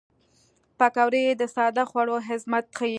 پکورې د ساده خوړو عظمت ښيي